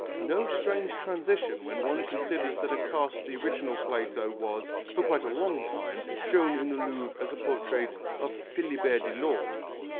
No strange transition when one considers that a cast of the original Plato was, for quite a long time, shown in the Louvre as the portrait of Philibert Delorme.